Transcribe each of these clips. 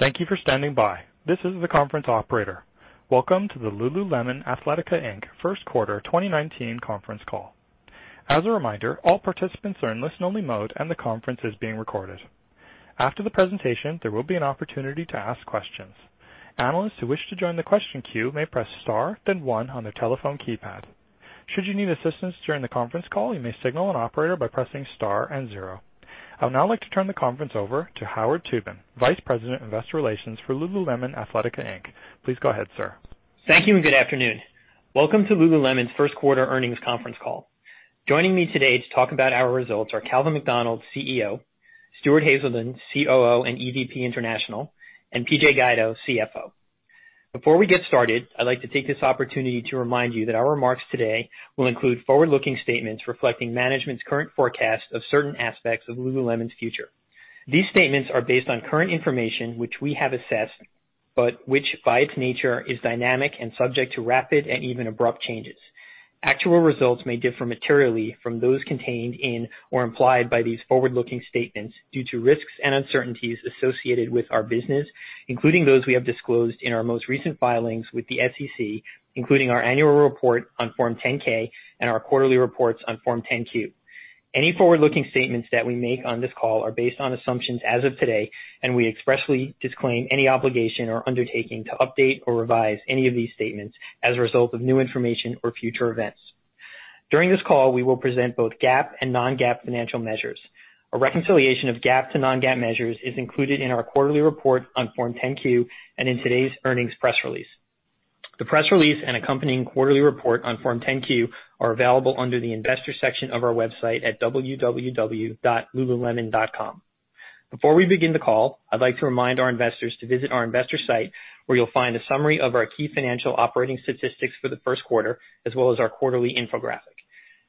Thank you for standing by. This is the conference operator. Welcome to the Lululemon Athletica Inc. First Quarter 2019 Conference Call. As a reminder, all participants are in listen only mode and the conference is being recorded. After the presentation, there will be an opportunity to ask questions. Analysts who wish to join the question queue may press star then one on their telephone keypad. Should you need assistance during the conference call, you may signal an operator by pressing star and zero. I would now like to turn the conference over to Howard Tubin, Vice President of Investor Relations for Lululemon Athletica Inc. Please go ahead, sir. Thank you. Good afternoon. Welcome to Lululemon's first quarter earnings conference call. Joining me today to talk about our results are Calvin McDonald, CEO, Stuart Haselden, COO and EVP International, and Patrick Guido, CFO. Before we get started, I'd like to take this opportunity to remind you that our remarks today will include forward-looking statements reflecting management's current forecast of certain aspects of Lululemon's future. These statements are based on current information, which we have assessed, but which by its nature is dynamic and subject to rapid and even abrupt changes. Actual results may differ materially from those contained in or implied by these forward-looking statements due to risks and uncertainties associated with our business, including those we have disclosed in our most recent filings with the SEC, including our annual report on Form 10-K and our quarterly reports on Form 10-Q. Any forward-looking statements that we make on this call are based on assumptions as of today. We expressly disclaim any obligation or undertaking to update or revise any of these statements as a result of new information or future events. During this call, we will present both GAAP and non-GAAP financial measures. A reconciliation of GAAP to non-GAAP measures is included in our quarterly report on Form 10-Q and in today's earnings press release. The press release and accompanying quarterly report on Form 10-Q are available under the investor section of our website at www.lululemon.com. Before we begin the call, I'd like to remind our investors to visit our investor site, where you'll find a summary of our key financial operating statistics for the first quarter, as well as our quarterly infographic.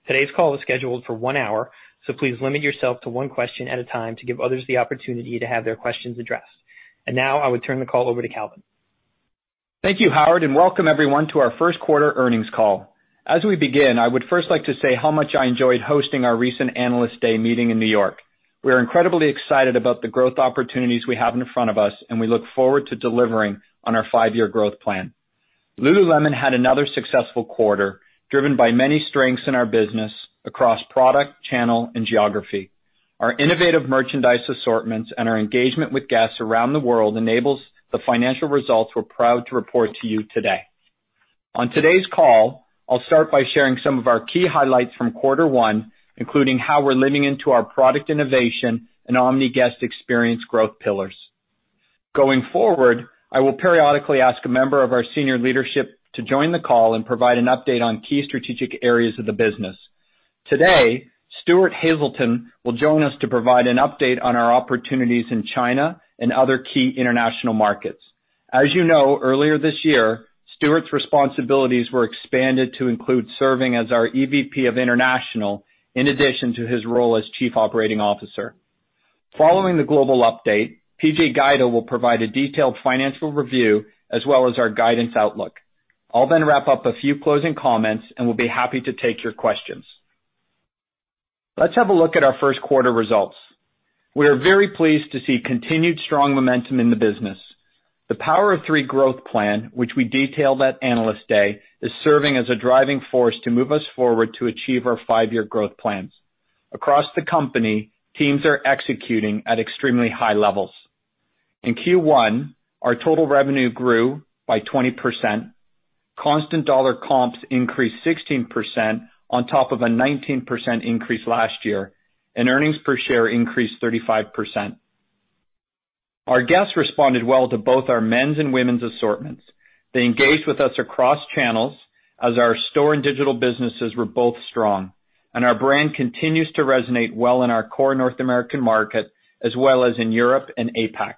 Today's call is scheduled for one hour. Please limit yourself to one question at a time to give others the opportunity to have their questions addressed. Now I would turn the call over to Calvin. Thank you, Howard, and welcome everyone to our first quarter earnings call. As we begin, I would first like to say how much I enjoyed hosting our recent Analyst Day meeting in New York. We are incredibly excited about the growth opportunities we have in front of us, and we look forward to delivering on our five-year growth plan. Lululemon had another successful quarter, driven by many strengths in our business across product, channel and geography. Our innovative merchandise assortments and our engagement with guests around the world enables the financial results we're proud to report to you today. On today's call, I'll start by sharing some of our key highlights from quarter one, including how we're leaning into our product innovation and omni-guest experience growth pillars. Going forward, I will periodically ask a member of our senior leadership to join the call and provide an update on key strategic areas of the business. Today, Stuart Haselden will join us to provide an update on our opportunities in China and other key international markets. As you know, earlier this year, Stuart's responsibilities were expanded to include serving as our EVP of International in addition to his role as Chief Operating Officer. Following the global update, PJ Guido will provide a detailed financial review as well as our guidance outlook. I'll then wrap up a few closing comments and we'll be happy to take your questions. Let's have a look at our first quarter results. We are very pleased to see continued strong momentum in the business. The Power of Three growth plan, which we detailed at Analyst Day, is serving as a driving force to move us forward to achieve our five-year growth plans. Across the company, teams are executing at extremely high levels. In Q1, our total revenue grew by 20%, constant dollar comps increased 16% on top of a 19% increase last year, and earnings per share increased 35%. Our guests responded well to both our men's and women's assortments. They engaged with us across channels as our store and digital businesses were both strong, and our brand continues to resonate well in our core North American market as well as in Europe and APAC.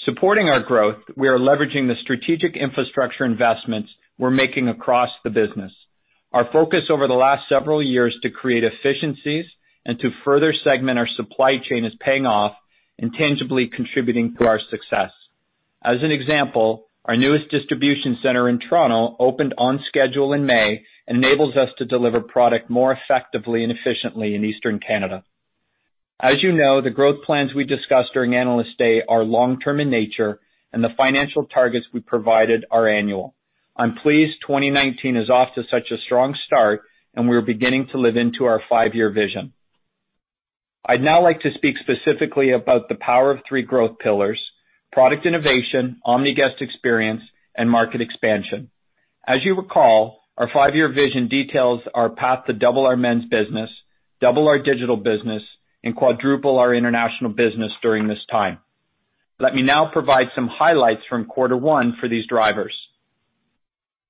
Supporting our growth, we are leveraging the strategic infrastructure investments we're making across the business. Our focus over the last several years to create efficiencies and to further segment our supply chain is paying off and tangibly contributing to our success. As an example, our newest distribution center in Toronto opened on schedule in May and enables us to deliver product more effectively and efficiently in Eastern Canada. As you know, the growth plans we discussed during Analyst Day are long term in nature, and the financial targets we provided are annual. I'm pleased 2019 is off to such a strong start, and we are beginning to live into our five-year vision. I'd now like to speak specifically about the Power of Three growth pillars: product innovation, omni-guest experience, and market expansion. As you recall, our five-year vision details our path to double our men's business, double our digital business, and quadruple our international business during this time. Let me now provide some highlights from quarter 1 for these drivers.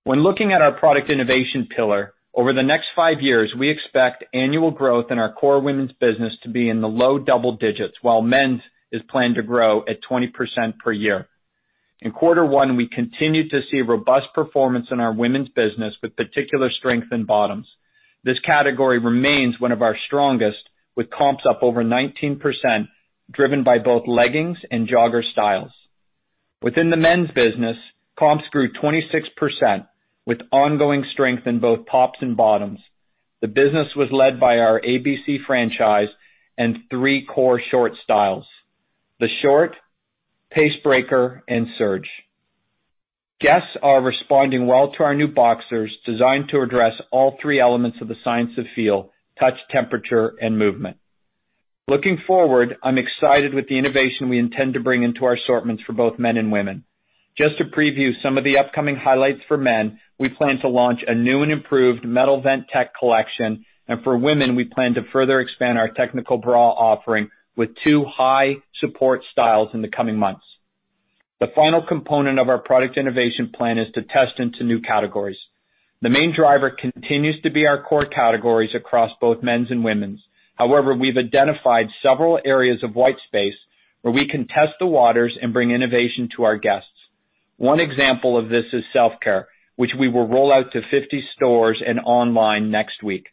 When looking at our product innovation pillar, over the next 5 years, we expect annual growth in our core women's business to be in the low double digits, while men's is planned to grow at 20% per year. In quarter 1, we continued to see robust performance in our women's business, with particular strength in bottoms. This category remains one of our strongest, with comps up over 19%, driven by both leggings and jogger styles. Within the men's business, comps grew 26%, with ongoing strength in both tops and bottoms. The business was led by our ABC franchise and 3 core short styles: the Short, Pacebreaker, and Surge. Guests are responding well to our new boxers, designed to address all three elements of the science of feel, touch, temperature, and movement. Looking forward, I'm excited with the innovation we intend to bring into our assortments for both men and women. Just to preview some of the upcoming highlights for men, we plan to launch a new and improved Metal Vent Tech collection, and for women, we plan to further expand our technical bra offering with 2 high support styles in the coming months. The final component of our product innovation plan is to test into new categories. The main driver continues to be our core categories across both men's and women's. However, we've identified several areas of white space where we can test the waters and bring innovation to our guests. One example of this is Self-Care, which we will roll out to 50 stores and online next week.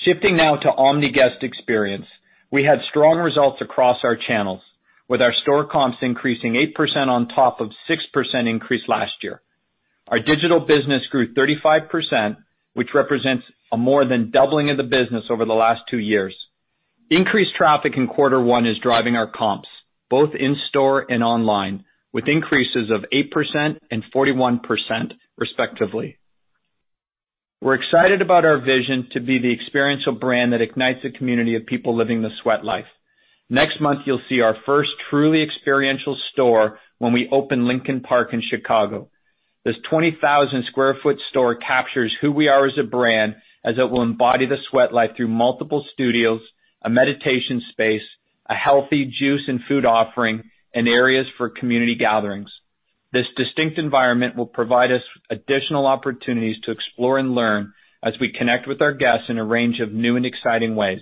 Shifting now to omni-guest experience. We had strong results across our channels, with our store comps increasing 8% on top of 6% increase last year. Our digital business grew 35%, which represents a more than doubling of the business over the last two years. Increased traffic in quarter 1 is driving our comps, both in-store and online, with increases of 8% and 41% respectively. We're excited about our vision to be the experiential brand that ignites a community of people living the sweat life. Next month, you'll see our first truly experiential store when we open Lincoln Park in Chicago. This 20,000 sq ft store captures who we are as a brand as it will embody the sweat life through multiple studios, a meditation space, a healthy juice and food offering, and areas for community gatherings. This distinct environment will provide us additional opportunities to explore and learn as we connect with our guests in a range of new and exciting ways.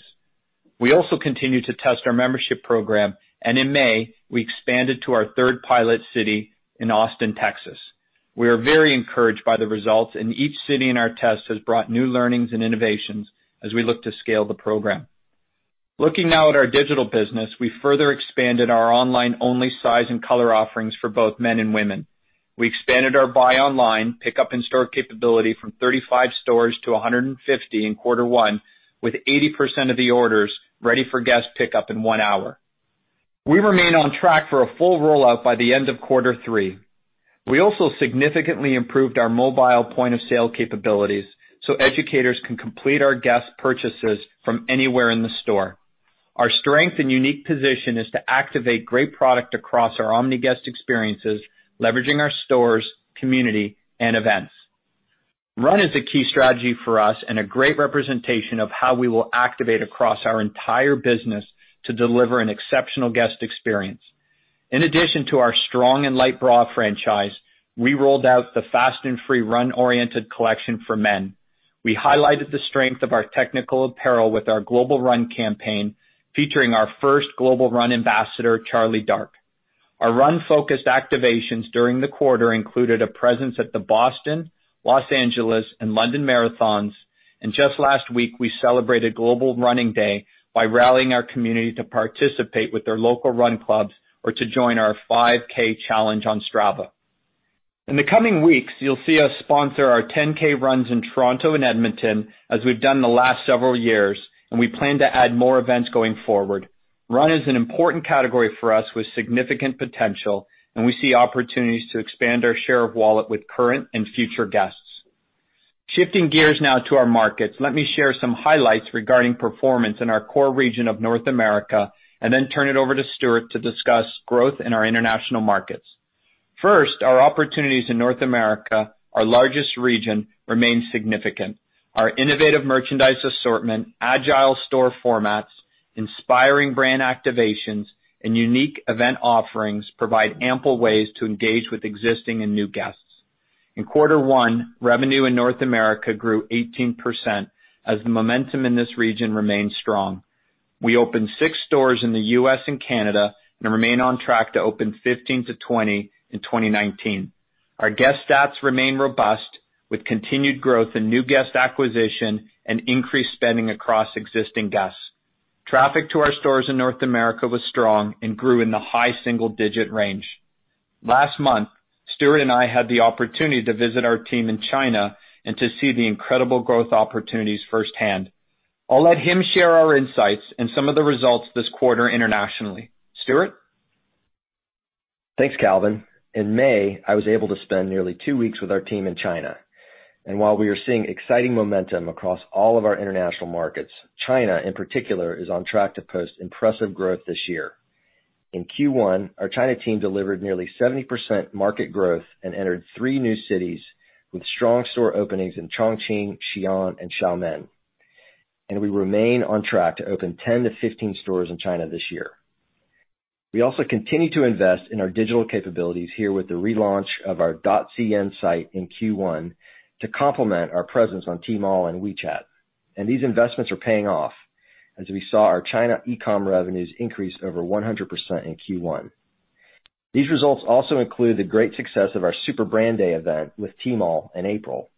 We also continue to test our membership program, and in May, we expanded to our third pilot city in Austin, Texas. We are very encouraged by the results, and each city in our test has brought new learnings and innovations as we look to scale the program. Looking now at our digital business, we further expanded our online-only size and color offerings for both men and women. We expanded our buy online, pickup in-store capability from 35 stores to 150 in quarter 1, with 80% of the orders ready for guest pickup in one hour. We remain on track for a full rollout by the end of quarter 3. We also significantly improved our mobile point-of-sale capabilities so educators can complete our guest purchases from anywhere in the store. Our strength and unique position is to activate great product across our omni-guest experiences, leveraging our stores, community, and events. Run is a key strategy for us and a great representation of how we will activate across our entire business to deliver an exceptional guest experience. In addition to our strong and light bra franchise, we rolled out the Fast and Free run-oriented collection for men. We highlighted the strength of our technical apparel with our global run campaign, featuring our first Global Run Ambassador, Charlie Dark. Our run-focused activations during the quarter included a presence at the Boston, Los Angeles, and London marathons. Just last week, we celebrated Global Running Day by rallying our community to participate with their local run clubs or to join our 5K challenge on Strava. In the coming weeks, you'll see us sponsor our 10K runs in Toronto and Edmonton as we've done the last several years. We plan to add more events going forward. Run is an important category for us with significant potential. We see opportunities to expand our share of wallet with current and future guests. Shifting gears now to our markets, let me share some highlights regarding performance in our core region of North America. Then turn it over to Stuart to discuss growth in our international markets. First, our opportunities in North America, our largest region, remain significant. Our innovative merchandise assortment, agile store formats, inspiring brand activations, and unique event offerings provide ample ways to engage with existing and new guests. In Q1, revenue in North America grew 18% as the momentum in this region remained strong. We opened six stores in the U.S. and Canada. We remain on track to open 15-20 in 2019. Our guest stats remain robust, with continued growth in new guest acquisition and increased spending across existing guests. Traffic to our stores in North America was strong and grew in the high single-digit range. Last month, Stuart and I had the opportunity to visit our team in China to see the incredible growth opportunities firsthand. I'll let him share our insights and some of the results this quarter internationally. Stuart? Thanks, Calvin. In May, I was able to spend nearly two weeks with our team in China. While we are seeing exciting momentum across all of our international markets, China in particular is on track to post impressive growth this year. In Q1, our China team delivered nearly 70% market growth and entered three new cities with strong store openings in Chongqing, Xi'an, and Xiamen. We remain on track to open 10-15 stores in China this year. We also continue to invest in our digital capabilities here with the relaunch of our .cn site in Q1 to complement our presence on Tmall and WeChat. These investments are paying off as we saw our China e-com revenues increase over 100% in Q1. These results also include the great success of our Super Brand Day event with Tmall in April.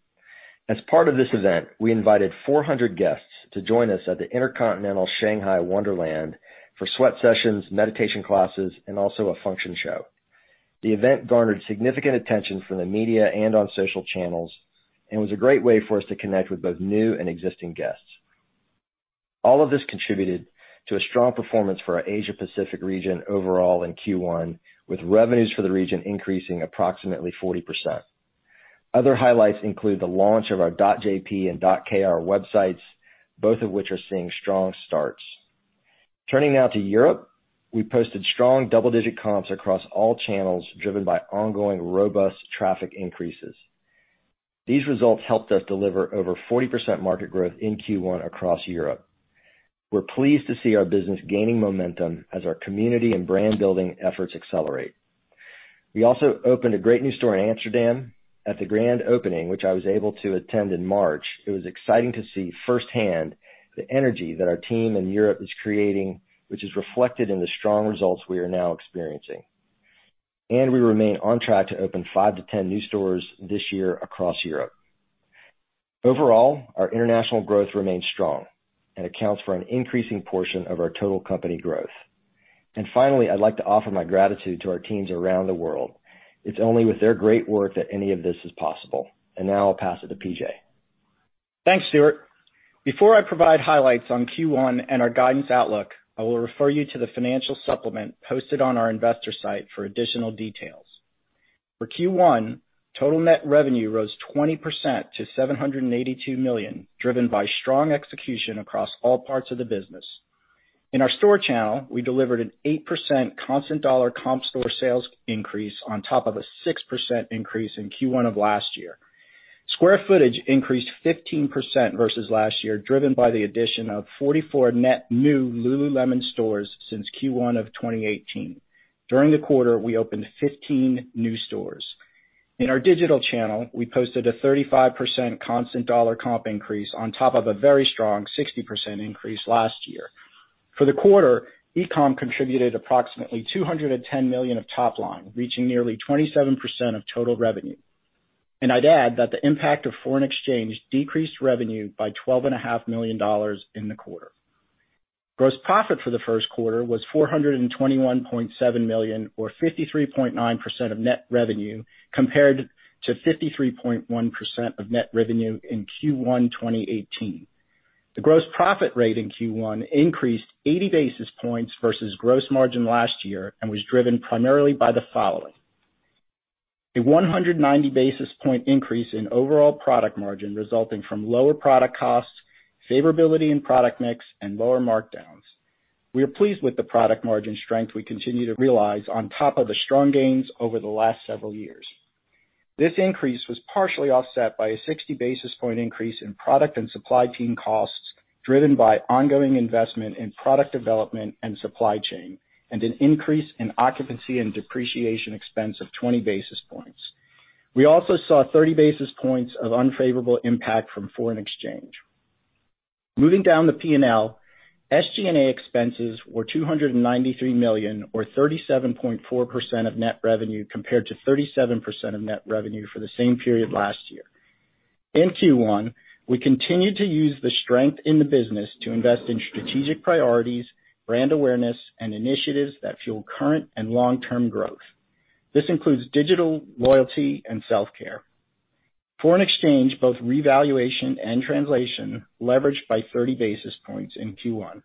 As part of this event, we invited 400 guests to join us at the InterContinental Shanghai Wonderland for sweat sessions, meditation classes, and also a function show. The event garnered significant attention from the media and on social channels, and was a great way for us to connect with both new and existing guests. All of this contributed to a strong performance for our Asia Pacific region overall in Q1, with revenues for the region increasing approximately 40%. Other highlights include the launch of our .jp and .kr websites, both of which are seeing strong starts. Turning now to Europe, we posted strong double-digit comps across all channels, driven by ongoing robust traffic increases. These results helped us deliver over 40% market growth in Q1 across Europe. We're pleased to see our business gaining momentum as our community and brand-building efforts accelerate. We also opened a great new store in Amsterdam. At the grand opening, which I was able to attend in March, it was exciting to see firsthand the energy that our team in Europe is creating, which is reflected in the strong results we are now experiencing. We remain on track to open five to 10 new stores this year across Europe. Overall, our international growth remains strong and accounts for an increasing portion of our total company growth. Finally, I'd like to offer my gratitude to our teams around the world. It's only with their great work that any of this is possible. Now I'll pass it to PJ. Thanks, Stuart. Before I provide highlights on Q1 and our guidance outlook, I will refer you to the financial supplement posted on our investor site for additional details. For Q1, total net revenue rose 20% to $782 million, driven by strong execution across all parts of the business. In our store channel, we delivered an 8% constant dollar comp store sales increase on top of a 6% increase in Q1 of last year. Square footage increased 15% versus last year, driven by the addition of 44 net new Lululemon stores since Q1 of 2018. During the quarter, we opened 15 new stores. In our digital channel, we posted a 35% constant dollar comp increase on top of a very strong 60% increase last year. For the quarter, e-com contributed approximately $210 million of top line, reaching nearly 27% of total revenue. I'd add that the impact of foreign exchange decreased revenue by $12.5 million in the quarter. Gross profit for the first quarter was $421.7 million, or 53.9% of net revenue, compared to 53.1% of net revenue in Q1 2018. The gross profit rate in Q1 increased 80 basis points versus gross margin last year and was driven primarily by the following: A 190 basis point increase in overall product margin resulting from lower product costs, favorability in product mix, and lower markdowns. We are pleased with the product margin strength we continue to realize on top of the strong gains over the last several years. This increase was partially offset by a 60 basis point increase in product and supply team costs, driven by ongoing investment in product development and supply chain, and an increase in occupancy and depreciation expense of 20 basis points. We also saw 30 basis points of unfavorable impact from foreign exchange. Moving down the P&L, SG&A expenses were $293 million, or 37.4% of net revenue, compared to 37% of net revenue for the same period last year. In Q1, we continued to use the strength in the business to invest in strategic priorities, brand awareness, and initiatives that fuel current and long-term growth. This includes digital loyalty and Self-Care. Foreign exchange, both revaluation and translation, leveraged by 30 basis points in Q1.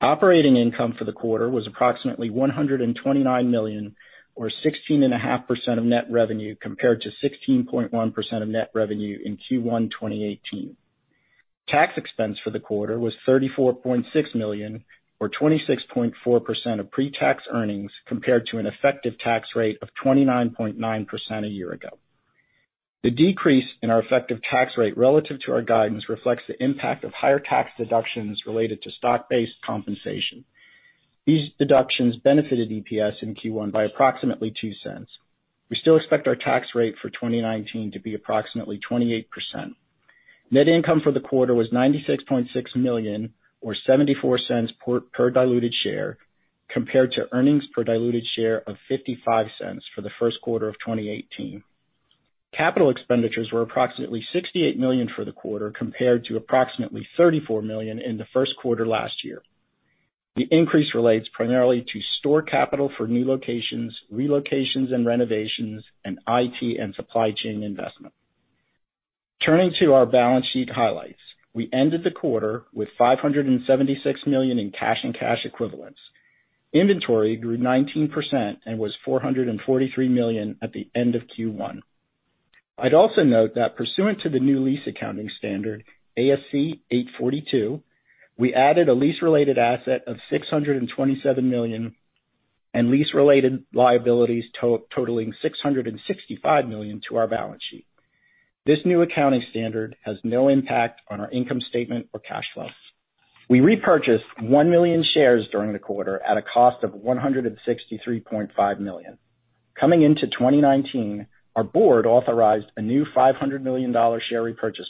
Operating income for the quarter was approximately $129 million, or 16.5% of net revenue, compared to 16.1% of net revenue in Q1 2018. Tax expense for the quarter was $34.6 million, or 26.4% of pre-tax earnings, compared to an effective tax rate of 29.9% a year ago. The decrease in our effective tax rate relative to our guidance reflects the impact of higher tax deductions related to stock-based compensation. These deductions benefited EPS in Q1 by approximately $0.02. We still expect our tax rate for 2019 to be approximately 28%. Net income for the quarter was $96.6 million, or $0.74 per diluted share, compared to earnings per diluted share of $0.55 for the first quarter of 2018. Capital expenditures were approximately $68 million for the quarter, compared to approximately $34 million in the first quarter last year. The increase relates primarily to store capital for new locations, relocations and renovations, and IT and supply chain investment. Turning to our balance sheet highlights. We ended the quarter with $576 million in cash and cash equivalents. Inventory grew 19% and was $443 million at the end of Q1. I'd also note that pursuant to the new lease accounting standard, ASC 842, we added a lease-related asset of $627 million and lease-related liabilities totaling $665 million to our balance sheet. This new accounting standard has no impact on our income statement or cash flows. We repurchased 1 million shares during the quarter at a cost of $163.5 million. Coming into 2019, our board authorized a new $500 million share repurchase.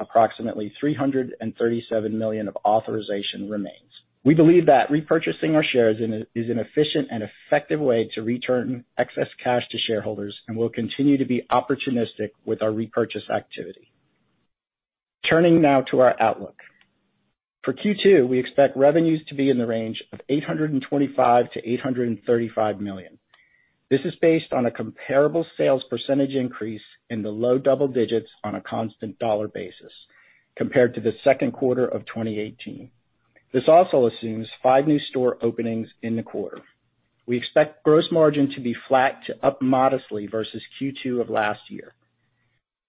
Approximately $337 million of authorization remains. We believe that repurchasing our shares is an efficient and effective way to return excess cash to shareholders and will continue to be opportunistic with our repurchase activity. Turning now to our outlook. For Q2, we expect revenues to be in the range of $825 million to $835 million. This is based on a comparable sales percentage increase in the low double digits on a constant dollar basis compared to the second quarter of 2018. This also assumes five new store openings in the quarter. We expect gross margin to be flat to up modestly versus Q2 of last year.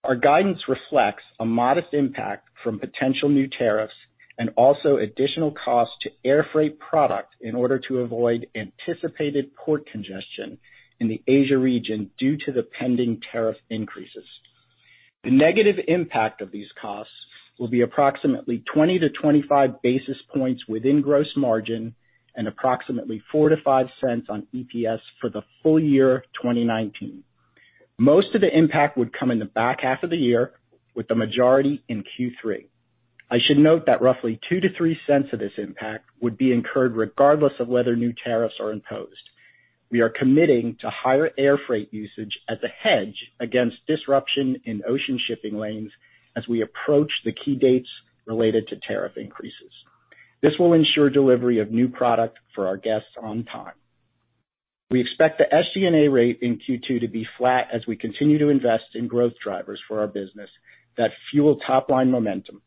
Our guidance reflects a modest impact from potential new tariffs and also additional cost to air freight product in order to avoid anticipated port congestion in the Asia region due to the pending tariff increases. The negative impact of these costs will be approximately 20 to 25 basis points within gross margin and approximately $0.04 to $0.05 on EPS for the full year 2019. Most of the impact would come in the back half of the year with the majority in Q3. I should note that roughly $0.02-$0.03 of this impact would be incurred regardless of whether new tariffs are imposed. We are committing to higher air freight usage as a hedge against disruption in ocean shipping lanes as we approach the key dates related to tariff increases. This will ensure delivery of new product for our guests on time. We expect the SG&A rate in Q2 to be flat as we continue to invest in growth drivers for our business that fuel top-line momentum.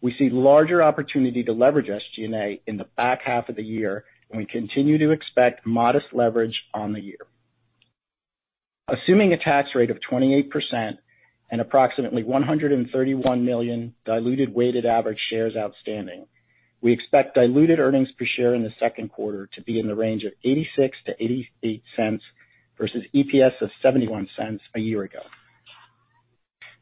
We see larger opportunity to leverage SG&A in the back half of the year. We continue to expect modest leverage on the year. Assuming a tax rate of 28% and approximately 131 million diluted weighted average shares outstanding, we expect diluted earnings per share in the second quarter to be in the range of $0.86-$0.88 versus EPS of $0.71 a year ago.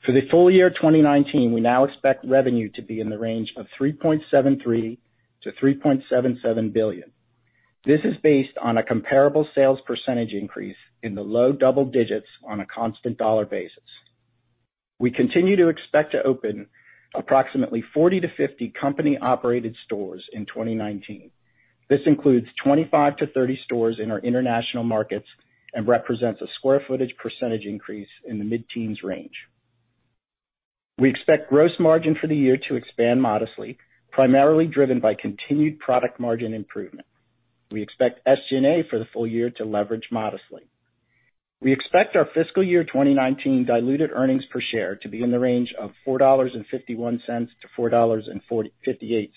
For the full year 2019, we now expect revenue to be in the range of $3.73 billion-$3.77 billion. This is based on a comparable sales percentage increase in the low double digits on a constant dollar basis. We continue to expect to open approximately 40-50 company-operated stores in 2019. This includes 25-30 stores in our international markets and represents a square footage percentage increase in the mid-teens range. We expect gross margin for the year to expand modestly, primarily driven by continued product margin improvement. We expect SG&A for the full year to leverage modestly. We expect our fiscal year 2019 diluted earnings per share to be in the range of $4.51-$4.58.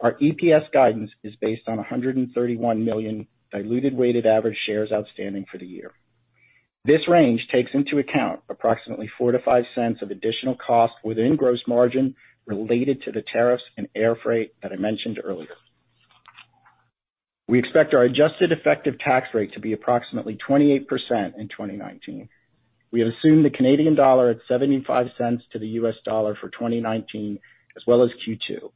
Our EPS guidance is based on 131 million diluted weighted average shares outstanding for the year. This range takes into account approximately $0.04-$0.05 of additional cost within gross margin related to the tariffs and air freight that I mentioned earlier. We expect our adjusted effective tax rate to be approximately 28% in 2019. We have assumed the CAD at $0.75 to the U.S. dollar for 2019, as well as Q2.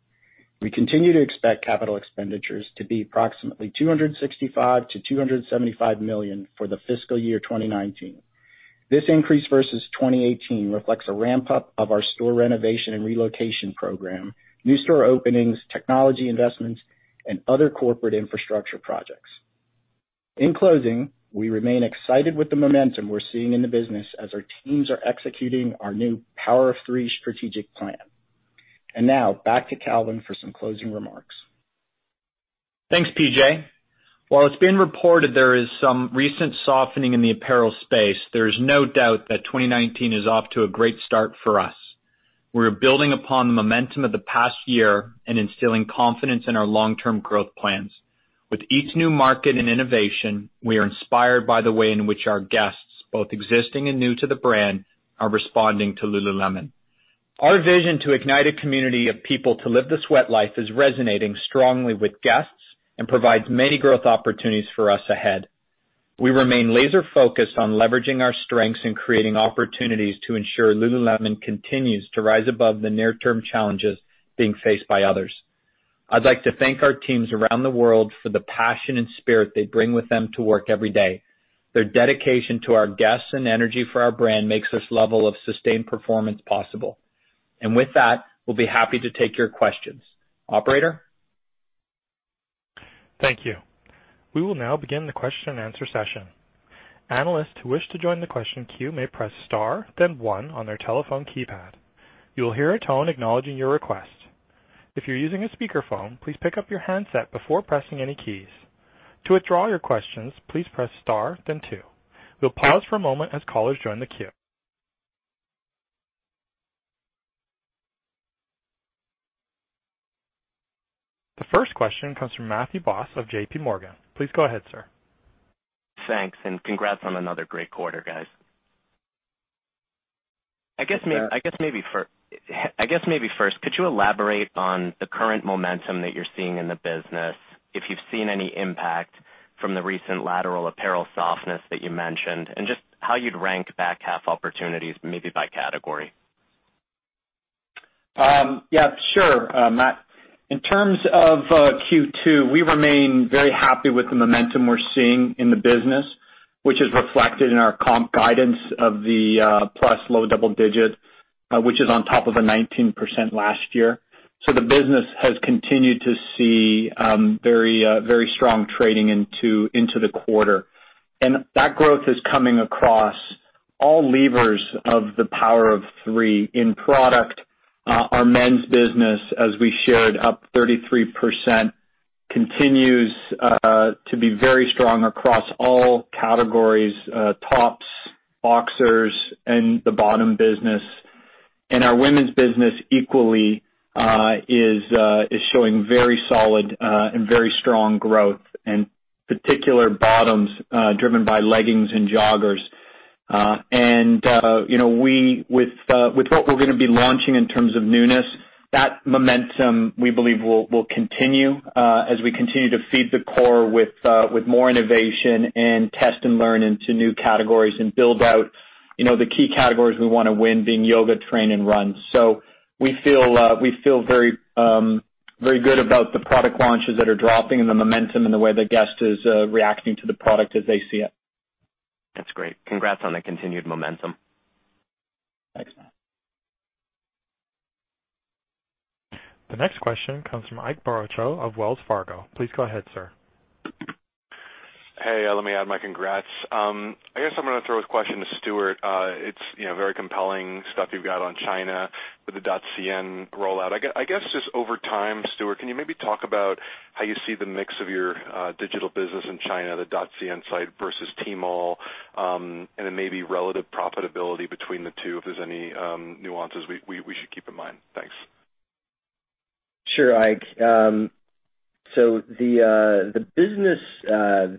We continue to expect capital expenditures to be approximately $265 million-$275 million for the fiscal year 2019. This increase versus 2018 reflects a ramp-up of our store renovation and relocation program, new store openings, technology investments, and other corporate infrastructure projects. In closing, we remain excited with the momentum we're seeing in the business as our teams are executing our new Power of Three strategic plan. Now, back to Calvin for some closing remarks. Thanks, PJ. While it's been reported there is some recent softening in the apparel space, there is no doubt that 2019 is off to a great start for us. We're building upon the momentum of the past year and instilling confidence in our long-term growth plans. With each new market and innovation, we are inspired by the way in which our guests, both existing and new to the brand, are responding to Lululemon. Our vision to ignite a community of people to live the sweat life is resonating strongly with guests and provides many growth opportunities for us ahead. We remain laser focused on leveraging our strengths and creating opportunities to ensure Lululemon continues to rise above the near-term challenges being faced by others. I'd like to thank our teams around the world for the passion and spirit they bring with them to work every day. Their dedication to our guests and energy for our brand makes this level of sustained performance possible. With that, we'll be happy to take your questions. Operator? Thank you. We will now begin the question and answer session. Analysts who wish to join the question queue may press star then one on their telephone keypad. You will hear a tone acknowledging your request. If you're using a speakerphone, please pick up your handset before pressing any keys. To withdraw your questions, please press star then two. We'll pause for a moment as callers join the queue. The first question comes from Matthew Boss of JPMorgan. Please go ahead, sir. Thanks, congrats on another great quarter, guys. I guess maybe first, could you elaborate on the current momentum that you're seeing in the business, if you've seen any impact from the recent retail apparel softness that you mentioned, and just how you'd rank back half opportunities, maybe by category? Yeah, sure. Matt. In terms of Q2, we remain very happy with the momentum we're seeing in the business, which is reflected in our comp guidance of the plus low double digit, which is on top of a 19% last year. The business has continued to see very strong trading into the quarter. That growth is coming across all levers of the Power of Three in product. Our men's business, as we shared, up 33%, continues to be very strong across all categories, tops, boxers, and the bottom business. Our women's business equally is showing very solid and very strong growth, and particular bottoms driven by leggings and joggers. With what we're going to be launching in terms of newness, that momentum, we believe, will continue as we continue to feed the core with more innovation and test and learn into new categories and build out the key categories we want to win being yoga, train, and run. We feel very good about the product launches that are dropping and the momentum and the way the guest is reacting to the product as they see it. That's great. Congrats on the continued momentum. Thanks, man. The next question comes from Ike Boruchow of Wells Fargo. Please go ahead, sir. Hey, let me add my congrats. I guess I'm going to throw a question to Stuart. It's very compelling stuff you've got on China with the .cn rollout. I guess, just over time, Stuart, can you maybe talk about how you see the mix of your digital business in China, the .cn site versus Tmall, and then maybe relative profitability between the two, if there's any nuances we should keep in mind? Thanks. Sure, Ike. The business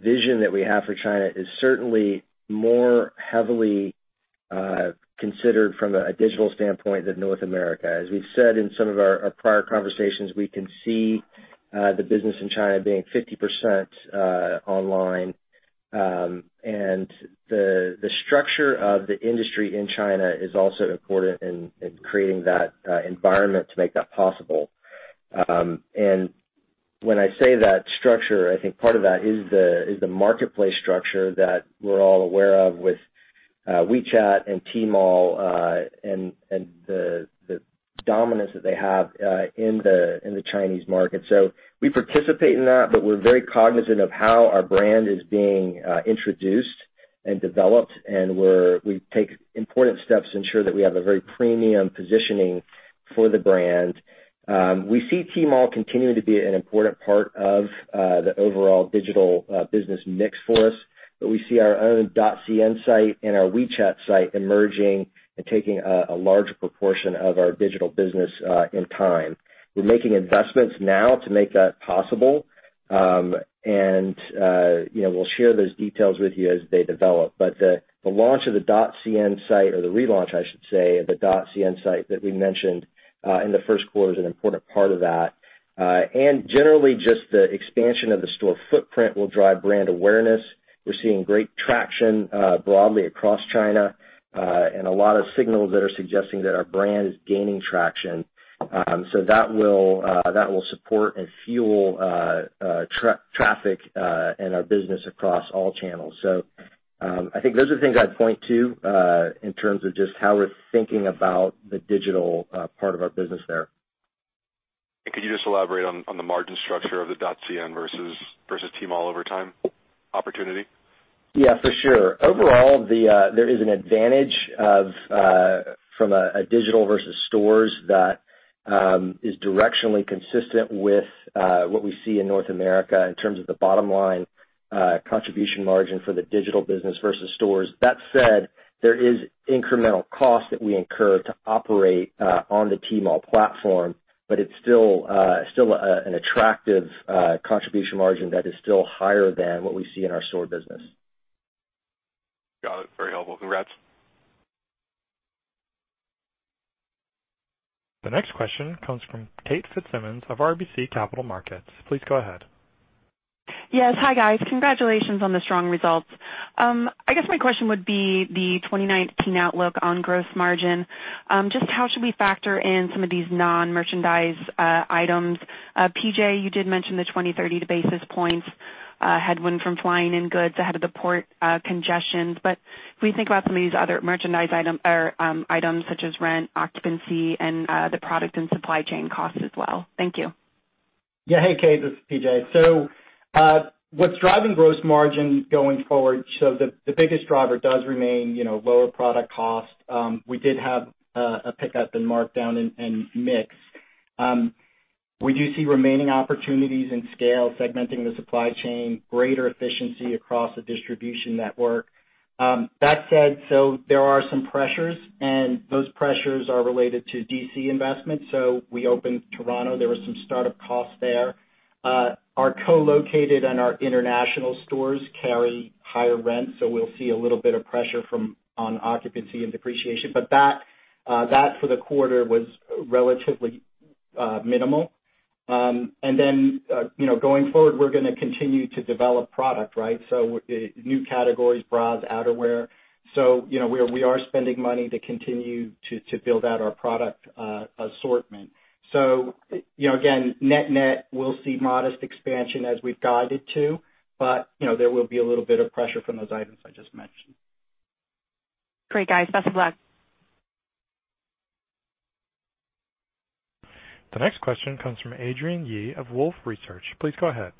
vision that we have for China is certainly more heavily considered from a digital standpoint than North America. As we've said in some of our prior conversations, we can see the business in China being 50% online. The structure of the industry in China is also important in creating that environment to make that possible. When I say that structure, I think part of that is the marketplace structure that we're all aware of with WeChat and Tmall, and the dominance that they have in the Chinese market. We participate in that, but we're very cognizant of how our brand is being introduced and developed, and we take important steps to ensure that we have a very premium positioning for the brand. We see Tmall continuing to be an important part of the overall digital business mix for us. We see our own .cn site and our WeChat site emerging and taking a larger proportion of our digital business in time. We're making investments now to make that possible. We'll share those details with you as they develop. The launch of the .cn site or the relaunch, I should say, of the .cn site that we mentioned in the first quarter, is an important part of that. Generally, just the expansion of the store footprint will drive brand awareness. We're seeing great traction broadly across China, and a lot of signals that are suggesting that our brand is gaining traction. That will support and fuel traffic and our business across all channels. I think those are things I'd point to in terms of just how we're thinking about the digital part of our business there. Could you just elaborate on the margin structure of the .cn versus Tmall over time opportunity? Yeah, for sure. Overall, there is an advantage from a digital versus stores that is directionally consistent with what we see in North America in terms of the bottom line contribution margin for the digital business versus stores. That said, there is incremental cost that we incur to operate on the Tmall platform, but it's still an attractive contribution margin that is still higher than what we see in our store business. Got it. Very helpful. Congrats. The next question comes from Kate Fitzsimons of RBC Capital Markets. Please go ahead. Yes. Hi, guys. Congratulations on the strong results. I guess my question would be the 2019 outlook on gross margin. How should we factor in some of these non-merchandise items? P.J., you did mention the 20, 30 basis points headwind from flying in goods ahead of the port congestions. If we think about some of these other merchandise items such as rent, occupancy, and the product and supply chain costs as well. Thank you. Hey, Kate, this is P.J. What's driving gross margin going forward, the biggest driver does remain lower product cost. We did have a pickup in markdown and mix. We do see remaining opportunities in scale, segmenting the supply chain, greater efficiency across the distribution network. That said, there are some pressures, and those pressures are related to DC investments. We opened Toronto. There were some startup costs there. Our co-located and our international stores carry higher rent, we'll see a little bit of pressure on occupancy and depreciation. That for the quarter was relatively minimal. Going forward, we're going to continue to develop product. New categories, bras, outerwear. We are spending money to continue to build out our product assortment. Again, net, we'll see modest expansion as we've guided to, there will be a little bit of pressure from those items I just mentioned. Great, guys. Best of luck. The next question comes from Adrienne Yih of Wolfe Research. Please go ahead.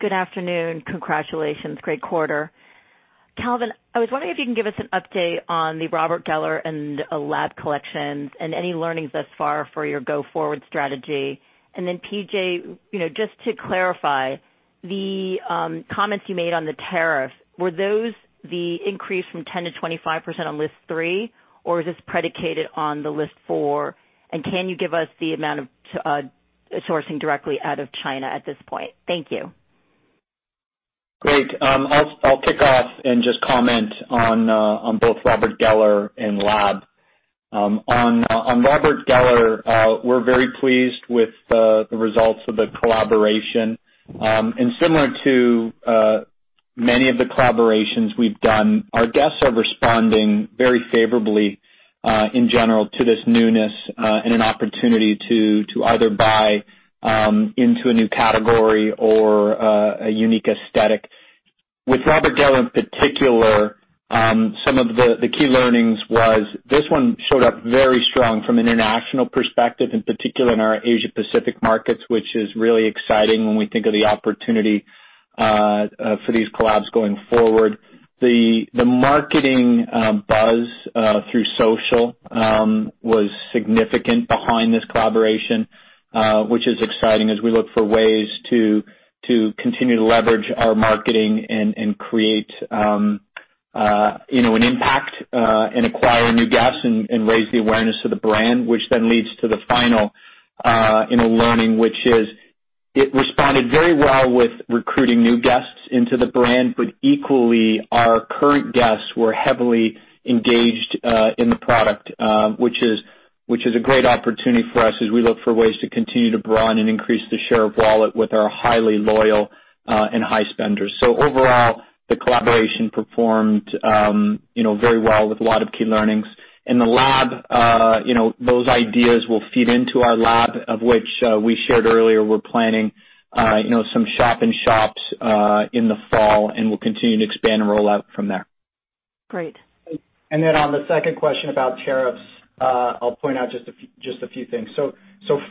Good afternoon. Congratulations. Great quarter. Calvin, I was wondering if you can give us an update on the Robert Geller and Lab collections and any learnings thus far for your go-forward strategy. PJ, just to clarify, the comments you made on the tariff, were those the increase from 10% to 25% on list 3, or is this predicated on the list 4? Can you give us the amount of sourcing directly out of China at this point? Thank you. Great. I'll kick off and just comment on both Robert Geller and Lab. On Robert Geller, we're very pleased with the results of the collaboration. Similar to many of the collaborations we've done, our guests are responding very favorably, in general, to this newness, an opportunity to either buy into a new category or a unique aesthetic. With Robert Geller in particular, some of the key learnings was this one showed up very strong from an international perspective, in particular in our Asia Pacific markets, which is really exciting when we think of the opportunity for these collabs going forward. The marketing buzz through social was significant behind this collaboration, which is exciting as we look for ways to continue to leverage our marketing and create an impact, acquire new guests and raise the awareness of the brand. Which then leads to the final learning, which is it responded very well with recruiting new guests into the brand, but equally, our current guests were heavily engaged in the product, which is a great opportunity for us as we look for ways to continue to broaden and increase the share of wallet with our highly loyal and high spenders. Overall, the collaboration performed very well with a lot of key learnings. The Lab, those ideas will feed into our Lab, of which we shared earlier, we're planning some shop and shops in the fall, and we'll continue to expand and roll out from there. Great. On the second question about tariffs, I'll point out just a few things.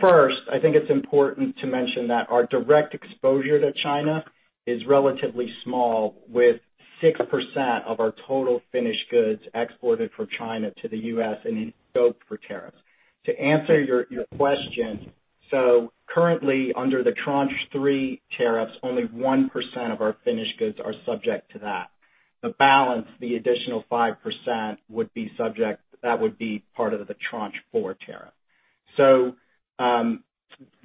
First, I think it's important to mention that our direct exposure to China is relatively small, with 6% of our total finished goods exported from China to the U.S. and in scope for tariffs. To answer your question, currently under the tranche 3 tariffs, only 1% of our finished goods are subject to that. The balance, the additional 5%, that would be part of the tranche 4 tariff.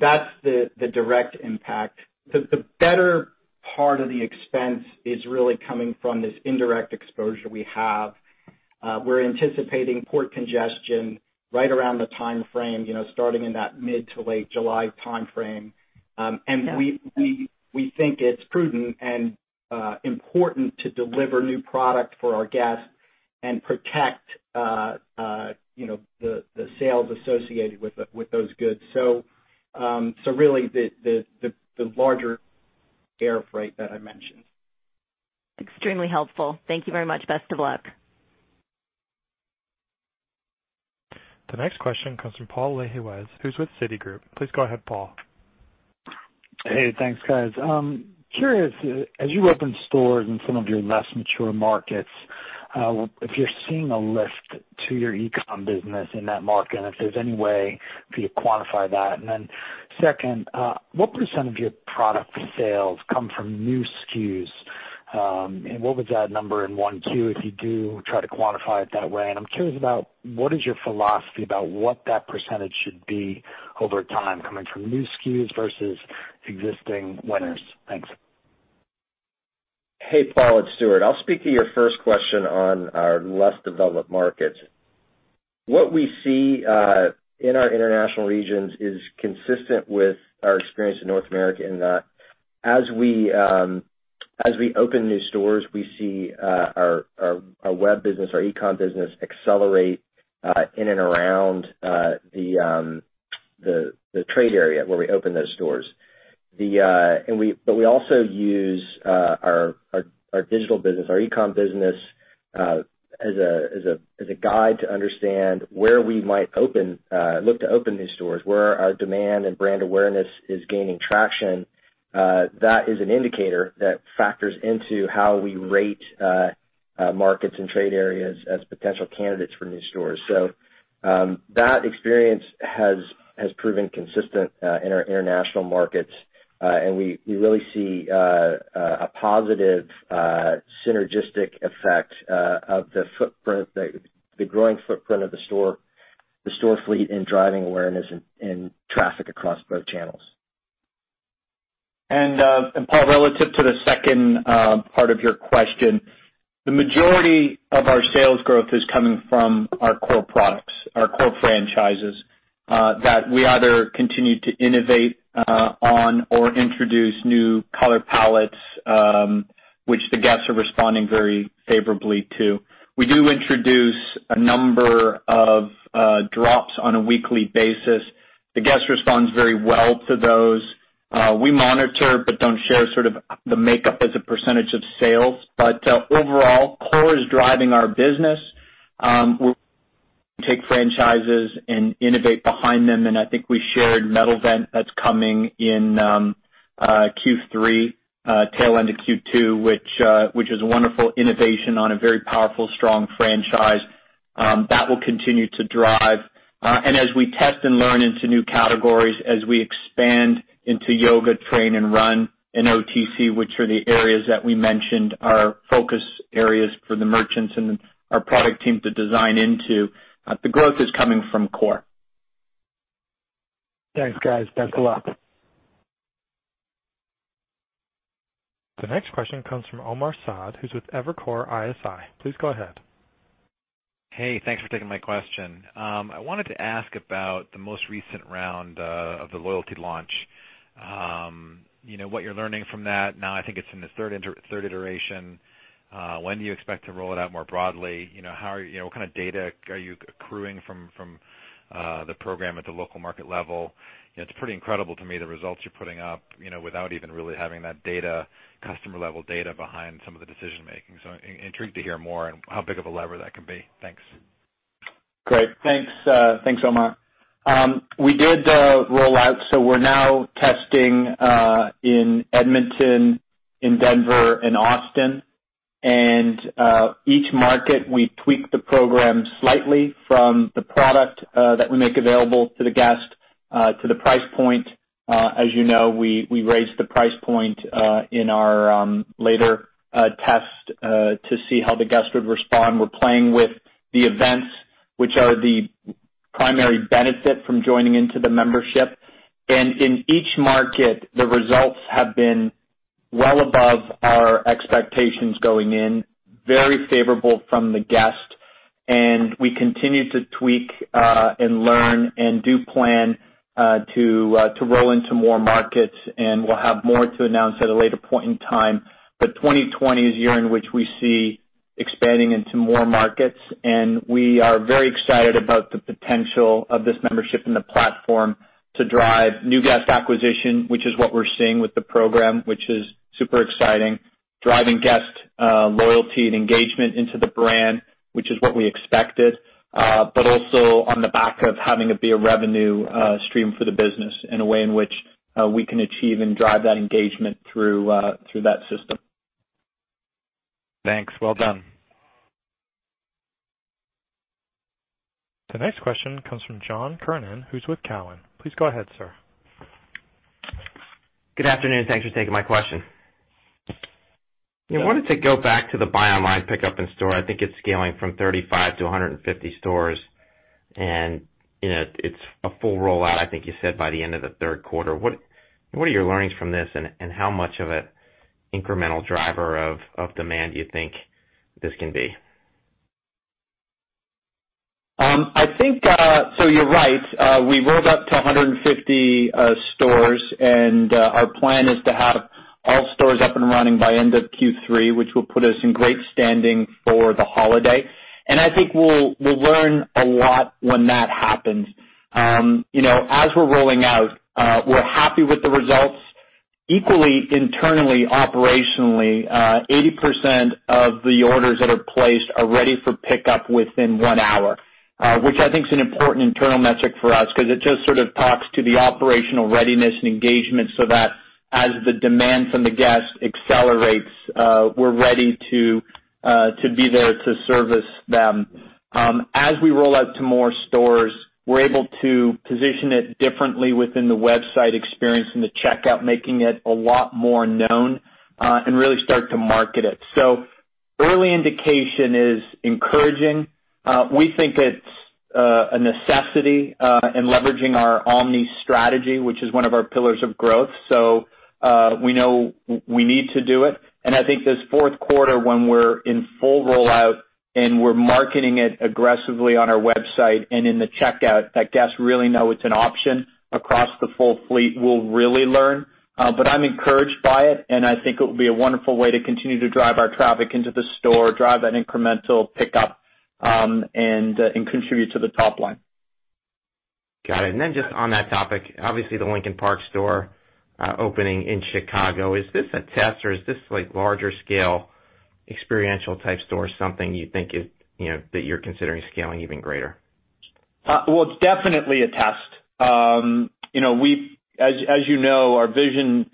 That's the direct impact. The better part of the expense is really coming from this indirect exposure we have. We're anticipating port congestion right around the timeframe, starting in that mid to late July timeframe. We think it's prudent and important to deliver new product for our guests and protect the sales associated with those goods. Really, the larger air freight that I mentioned. Extremely helpful. Thank you very much. Best of luck. The next question comes from Paul Lejuez, who's with Citigroup. Please go ahead, Paul. Hey, thanks, guys. Curious, as you open stores in some of your less mature markets, if you're seeing a lift to your e-com business in that market, and if there's any way for you to quantify that. Second, what % of your product sales come from new SKUs? What was that number in one, two, if you do try to quantify it that way, I'm curious about what is your philosophy about what that % should be over time coming from new SKUs versus existing winners? Thanks. Hey, Paul, it's Stuart. I'll speak to your first question on our less developed markets. What we see in our international regions is consistent with our experience in North America in that as we open new stores, we see our web business, our e-com business accelerate in and around the trade area where we open those stores. We also use our digital business, our e-com business, as a guide to understand where we might look to open new stores. Where our demand and brand awareness is gaining traction, that is an indicator that factors into how we rate markets and trade areas as potential candidates for new stores. That experience has proven consistent in our international markets. We really see a positive synergistic effect of the growing footprint of the store fleet in driving awareness and traffic across both channels. Paul, relative to the second part of your question, the majority of our sales growth is coming from our core products, our core franchises, that we either continue to innovate on or introduce new color palettes, which the guests are responding very favorably to. We do introduce a number of drops on a weekly basis. The guest responds very well to those. We monitor but don't share sort of the makeup as a % of sales. Overall, core is driving our business. We take franchises and innovate behind them, I think we shared Metal Vent that's coming in Q3, tail end of Q2, which is a wonderful innovation on a very powerful, strong franchise. That will continue to drive. As we test and learn into new categories, as we expand into yoga, train and run and OTC, which are the areas that we mentioned are focus areas for the merchants and our product team to design into, the growth is coming from core. Thanks, guys. Best of luck. The next question comes from Omar Saad, who's with Evercore ISI. Please go ahead. Hey, thanks for taking my question. I wanted to ask about the most recent round of the loyalty launch. What you're learning from that. Now, I think it's in the third iteration. When do you expect to roll it out more broadly? What kind of data are you accruing from the program at the local market level? It's pretty incredible to me the results you're putting up, without even really having that customer-level data behind some of the decision-making. Intrigued to hear more on how big of a lever that can be. Thanks. Great. Thanks, Omar. We did roll out, so we're now testing in Edmonton, in Denver, and Austin. Each market, we tweaked the program slightly from the product that we make available to the guest to the price point. As you know, we raised the price point in our later test to see how the guest would respond. We're playing with the events, which are the primary benefit from joining into the membership. In each market, the results have been well above our expectations going in, very favorable from the guest, and we continue to tweak and learn and do plan to roll into more markets, and we'll have more to announce at a later point in time. 2020 is the year in which we see expanding into more markets, and we are very excited about the potential of this membership and the platform to drive new guest acquisition, which is what we're seeing with the program, which is super exciting. Driving guest loyalty and engagement into the brand, which is what we expected. Also on the back of having it be a revenue stream for the business in a way in which we can achieve and drive that engagement through that system. Thanks. Well done. The next question comes from John Kernan, who's with Cowen. Please go ahead, sir. Good afternoon. Thanks for taking my question. I wanted to go back to the buy online pickup in store. I think it's scaling from 35 to 150 stores, and it's a full rollout, I think you said by the end of the third quarter. What are your learnings from this, and how much of an incremental driver of demand do you think this can be? You're right. We rolled up to 150 stores, and our plan is to have all stores up and running by end of Q3, which will put us in great standing for the holiday. I think we'll learn a lot when that happens. As we're rolling out, we're happy with the results. Equally, internally, operationally, 80% of the orders that are placed are ready for pickup within one hour. Which I think is an important internal metric for us because it just sort of talks to the operational readiness and engagement so that as the demand from the guest accelerates, we're ready to be there to service them. As we roll out to more stores, we're able to position it differently within the website experience in the checkout, making it a lot more known, and really start to market it. Early indication is encouraging. We think it's a necessity in leveraging our omni strategy, which is one of our pillars of growth. We know we need to do it. I think this fourth quarter, when we're in full rollout and we're marketing it aggressively on our website and in the checkout, that guests really know it's an option across the full fleet, we'll really learn. I'm encouraged by it, and I think it will be a wonderful way to continue to drive our traffic into the store, drive that incremental pickup, and contribute to the top line. Got it. Then just on that topic, obviously the Lincoln Park store opening in Chicago. Is this a test, or is this larger scale experiential type store something you think that you're considering scaling even greater? Well, it's definitely a test. As you know, our vision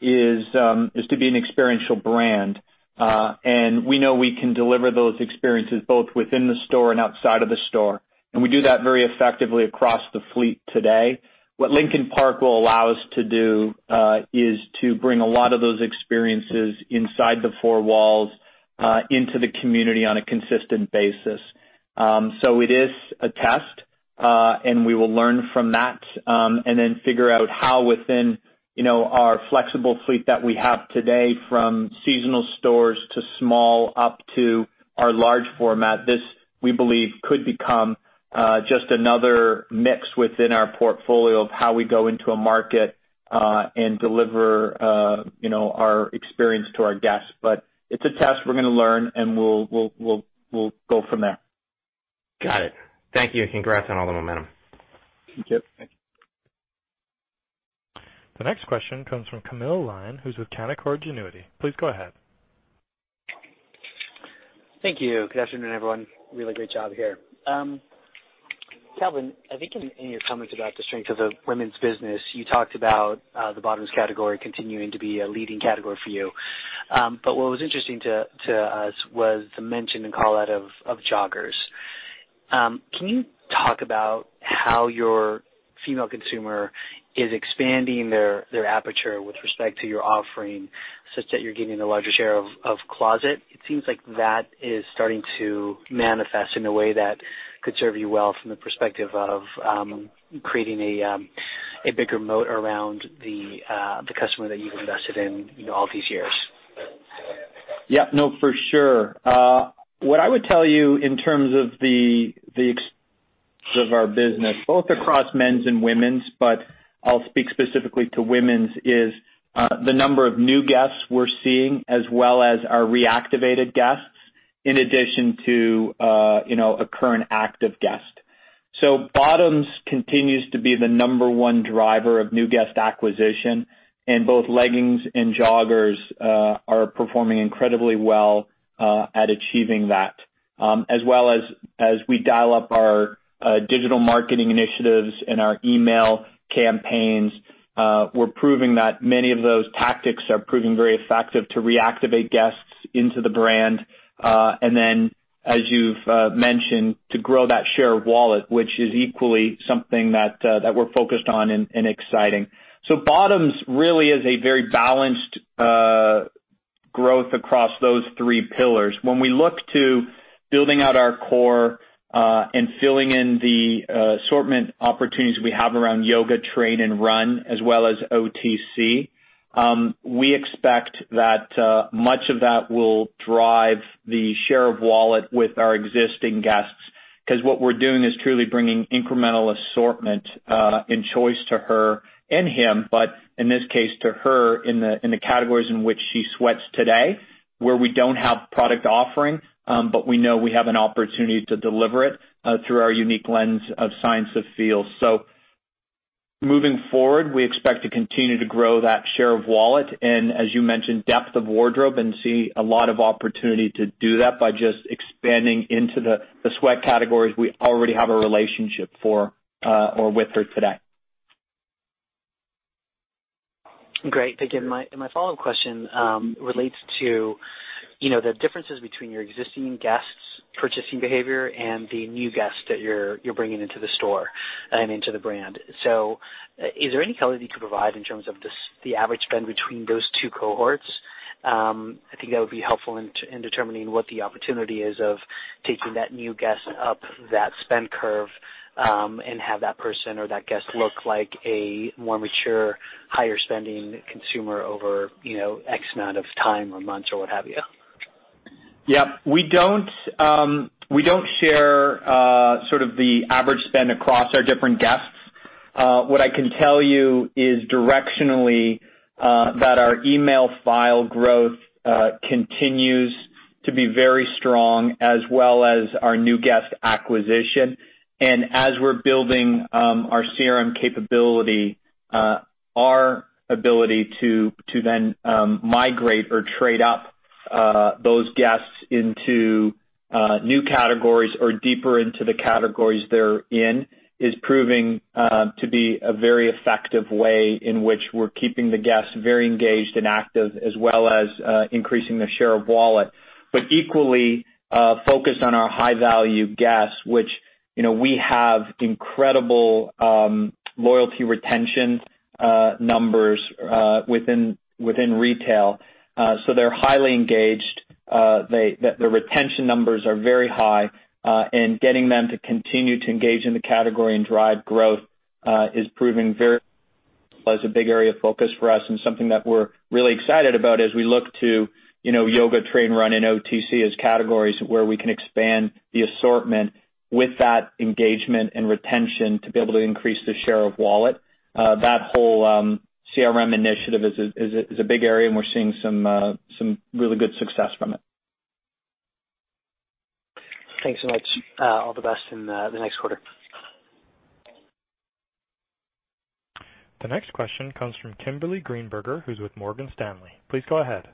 is to be an experiential brand. We know we can deliver those experiences both within the store and outside of the store. We do that very effectively across the fleet today. What Lincoln Park will allow us to do is to bring a lot of those experiences inside the four walls into the community on a consistent basis. It is a test. We will learn from that, then figure out how within our flexible fleet that we have today, from seasonal stores to small up to our large format. This, we believe, could become just another mix within our portfolio of how we go into a market, and deliver our experience to our guests. It's a test we're gonna learn, and we'll go from there. Got it. Thank you. Congrats on all the momentum. Thank you. The next question comes from Camille Lyon, who's with Canaccord Genuity. Please go ahead. Thank you. Good afternoon, everyone. Really great job here. Calvin, I think in your comments about the strength of the women's business, you talked about the bottoms category continuing to be a leading category for you. What was interesting to us was the mention and call out of joggers. Can you talk about how your female consumer is expanding their aperture with respect to your offering, such that you're gaining a larger share of closet? It seems like that is starting to manifest in a way that could serve you well from the perspective of creating a bigger moat around the customer that you've invested in all these years. Yeah. No, for sure. What I would tell you in terms of the of our business, both across men's and women's, but I'll speak specifically to women's, is the number of new guests we're seeing, as well as our reactivated guests, in addition to a current active guest. Bottoms continues to be the number 1 driver of new guest acquisition, and both leggings and joggers are performing incredibly well at achieving that. As well as we dial up our digital marketing initiatives and our email campaigns, we're proving that many of those tactics are proving very effective to reactivate guests into the brand. As you've mentioned, to grow that share of wallet, which is equally something that we're focused on and exciting. Bottoms really is a very balanced growth across those three pillars. When we look to building out our core, and filling in the assortment opportunities we have around yoga, train, and run, as well as OTC, we expect that much of that will drive the share of wallet with our existing guests. Because what we're doing is truly bringing incremental assortment, and choice to her and him, but in this case, to her, in the categories in which she sweats today, where we don't have product offering, but we know we have an opportunity to deliver it through our unique lens of science of feel. Moving forward, we expect to continue to grow that share of wallet and, as you mentioned, depth of wardrobe, and see a lot of opportunity to do that by just expanding into the sweat categories we already have a relationship for, or with her today. Great. Thank you. My follow-up question relates to the differences between your existing guests' purchasing behavior and the new guests that you're bringing into the store and into the brand. Is there any color that you could provide in terms of the average spend between those two cohorts? I think that would be helpful in determining what the opportunity is of taking that new guest up that spend curve, and have that person or that guest look like a more mature, higher spending consumer over X amount of time or months or what have you. Yeah. We don't share the average spend across our different guests. What I can tell you is directionally that our email file growth continues to be very strong, as well as our new guest acquisition. As we're building our CRM capability, our ability to then migrate or trade up those guests into new categories or deeper into the categories they're in, is proving to be a very effective way in which we're keeping the guests very engaged and active, as well as increasing their share of wallet. Equally, focused on our high-value guests, which we have incredible loyalty retention numbers within retail. They're highly engaged. The retention numbers are very high, and getting them to continue to engage in the category and drive growth is proving a big area of focus for us and something that we're really excited about as we look to yoga, train, run, and OTC as categories where we can expand the assortment with that engagement and retention to be able to increase the share of wallet. That whole CRM initiative is a big area, and we're seeing some really good success from it. Thanks so much. All the best in the next quarter. The next question comes from Kimberly Greenberger, who's with Morgan Stanley. Please go ahead.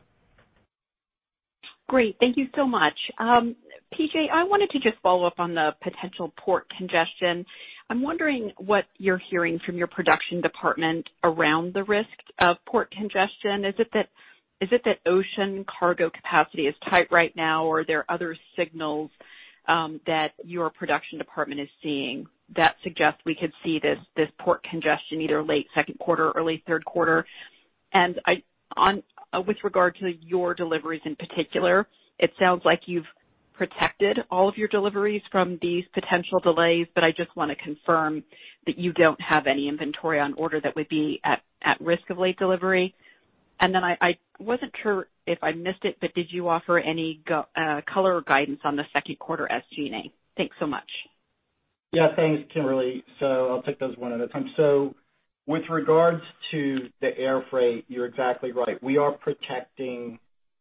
Great. Thank you so much. PJ, I wanted to just follow up on the potential port congestion. I'm wondering what you're hearing from your production department around the risk of port congestion. Is it that ocean cargo capacity is tight right now, or are there other signals that your production department is seeing that suggest we could see this port congestion either late second quarter or late third quarter? With regard to your deliveries in particular, it sounds like you've protected all of your deliveries from these potential delays, but I just want to confirm that you don't have any inventory on order that would be at risk of late delivery. Then I wasn't sure if I missed it, but did you offer any color or guidance on the second quarter SG&A? Thanks so much. Yeah. Thanks, Kimberly. I'll take those one at a time. With regards to the air freight, you're exactly right. We are protecting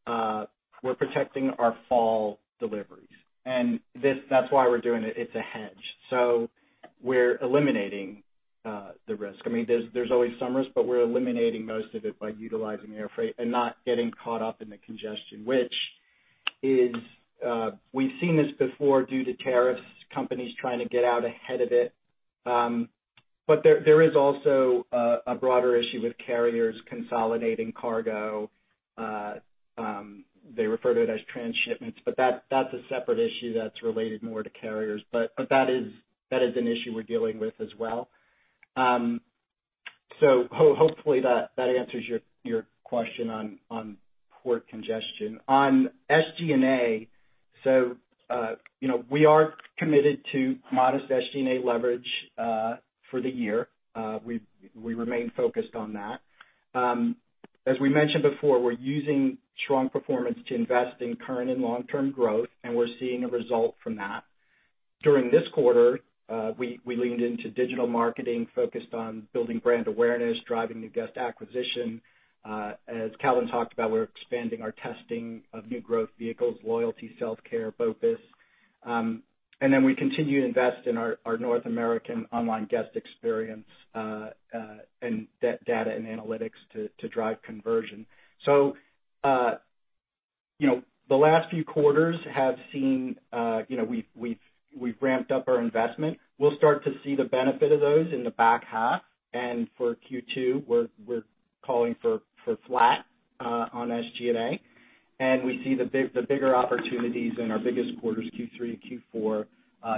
our fall deliveries, and that's why we're doing it. It's a hedge. We're eliminating the risk. There's always some risk, but we're eliminating most of it by utilizing air freight and not getting caught up in the congestion, which is, we've seen this before due to tariffs, companies trying to get out ahead of it. There is also a broader issue with carriers consolidating cargo. They refer to it as transshipments, but that's a separate issue that's related more to carriers. That is an issue we're dealing with as well. Hopefully that answers your question on port congestion. On SG&A, we are committed to modest SG&A leverage for the year. We remain focused on that. As we mentioned before, we're using strong performance to invest in current and long-term growth, we're seeing a result from that. During this quarter, we leaned into digital marketing, focused on building brand awareness, driving new guest acquisition. As Calvin McDonald talked about, we're expanding our testing of new growth vehicles, loyalty, Self-Care, BOPUS. We continue to invest in our North American online guest experience, and data and analytics to drive conversion. The last few quarters we've ramped up our investment. We'll start to see the benefit of those in the back half. For Q2, we're calling for flat on SG&A, we see the bigger opportunities in our biggest quarters, Q3 and Q4,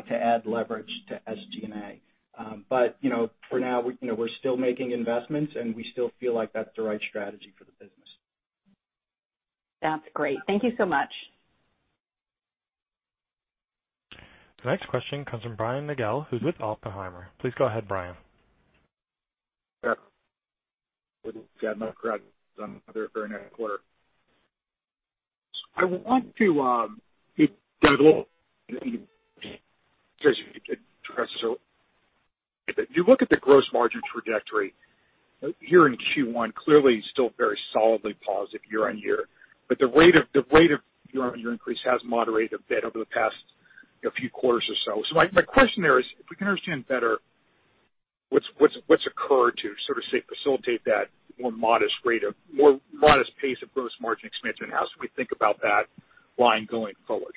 to add leverage to SG&A. For now, we're still making investments, we still feel like that's the right strategy for the business. That's great. Thank you so much. The next question comes from Brian Nagel, who's with Oppenheimer. Please go ahead, Brian. Yeah, for next quarter, if you look at the gross margin trajectory here in Q1, clearly still very solidly positive year-on-year. The rate of year-on-year increase has moderated a bit over the past few quarters or so. My question there is, if we can understand better what's occurred to sort of facilitate that more modest pace of gross margin expansion, and how should we think about that line going forward?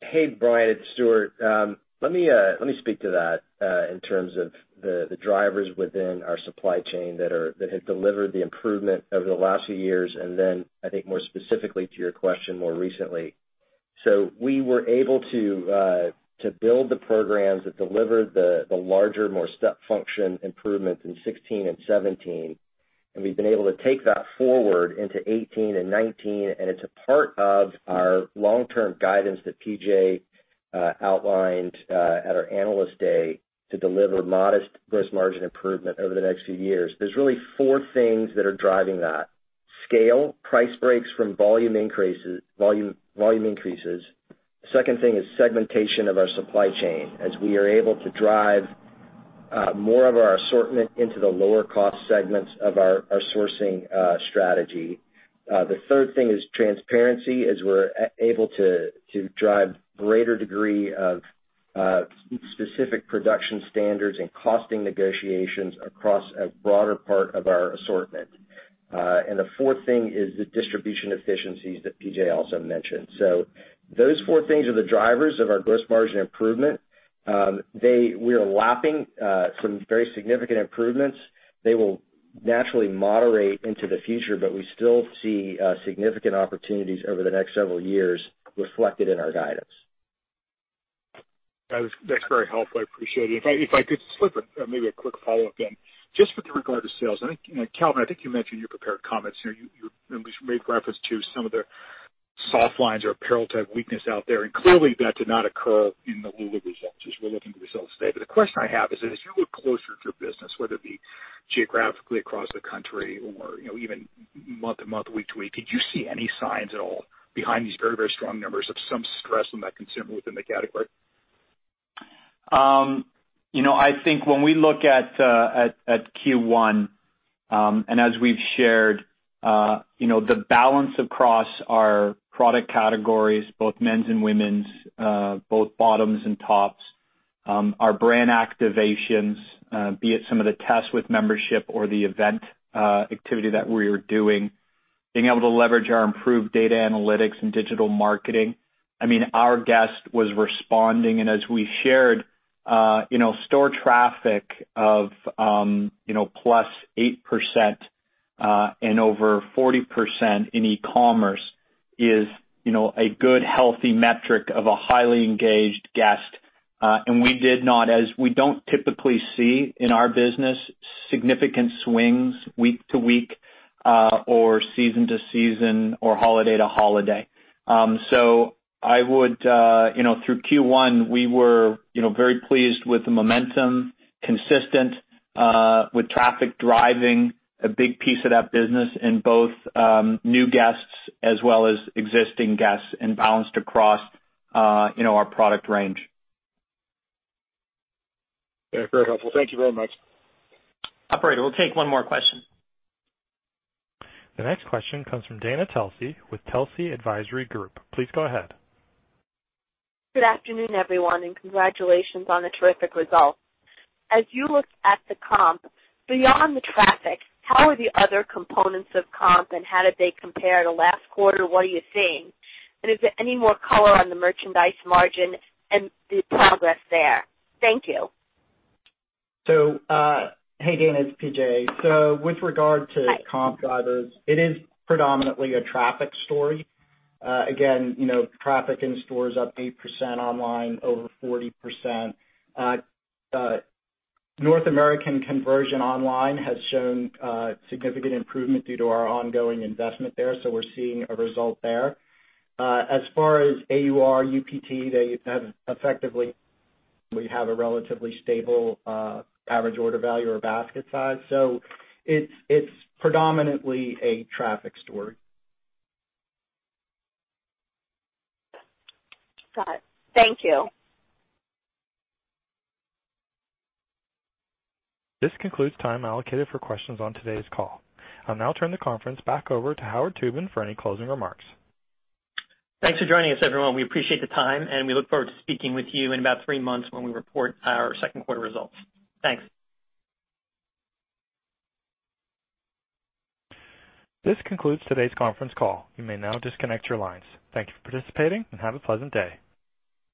Hey, Brian, it's Stuart. Let me speak to that in terms of the drivers within our supply chain that have delivered the improvement over the last few years, and then I think more specifically to your question, more recently. We were able to build the programs that delivered the larger, more step function improvements in 2016 and 2017, and we've been able to take that forward into 2018 and 2019, and it's a part of our long-term guidance that PJ outlined at our Analyst Day to deliver modest gross margin improvement over the next few years. There's really four things that are driving that. Scale, price breaks from volume increases. Second thing is segmentation of our supply chain, as we are able to drive more of our assortment into the lower cost segments of our sourcing strategy. The third thing is transparency, as we're able to drive greater degree of specific production standards and costing negotiations across a broader part of our assortment. The fourth thing is the distribution efficiencies that PJ also mentioned. Those four things are the drivers of our gross margin improvement. We are lapping some very significant improvements. They will naturally moderate into the future, but we still see significant opportunities over the next several years reflected in our guidance. That's very helpful. I appreciate it. If I could slip maybe a quick follow-up then. Just with regard to sales, Calvin, I think you mentioned in your prepared comments here, you made reference to some of the soft lines or apparel type weakness out there, and clearly that did not occur in the Lululemon results as we're looking at the results today. The question I have is, as you look closer at your business, whether it be geographically across the country or even month-to-month, week-to-week, did you see any signs at all behind these very, very strong numbers of some stress on that consumer within the category? When we look at Q1, as we've shared, the balance across our product categories, both men's and women's, both bottoms and tops, our brand activations, be it some of the tests with membership or the event activity that we're doing, being able to leverage our improved data analytics and digital marketing. Our guest was responding, as we shared, store traffic of +8%. Over 40% in e-commerce is a good, healthy metric of a highly engaged guest. We did not, as we don't typically see in our business, significant swings week to week or season to season or holiday to holiday. Through Q1, we were very pleased with the momentum, consistent with traffic driving a big piece of that business in both new guests as well as existing guests, and balanced across our product range. Yeah, very helpful. Thank you very much. Operator, we'll take one more question. The next question comes from Dana Telsey with Telsey Advisory Group. Please go ahead. Good afternoon, everyone, and congratulations on the terrific results. As you look at the comp, beyond the traffic, how are the other components of comp, and how did they compare to last quarter? What are you seeing? Is there any more color on the merchandise margin and the progress there? Thank you. Hey, Dana, it's PJ. With regard to comp drivers, it is predominantly a traffic story. Again, traffic in store is up 8%, online over 40%. North American conversion online has shown significant improvement due to our ongoing investment there, so we're seeing a result there. As far as AUR, UPT, we have a relatively stable average order value or basket size. It's predominantly a traffic story. Got it. Thank you. This concludes time allocated for questions on today's call. I'll now turn the conference back over to Howard Tubin for any closing remarks. Thanks for joining us, everyone. We appreciate the time. We look forward to speaking with you in about three months when we report our second quarter results. Thanks. This concludes today's conference call. You may now disconnect your lines. Thank you for participating. Have a pleasant day.